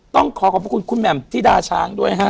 ต้องขอขอบพระคุณคุณแหม่มที่ดาช้างด้วยฮะ